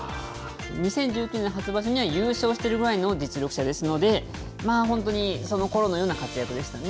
２０１９年初場所には優勝しているぐらいの実力者ですので、まあ、本当にそのころのような活躍でしたね。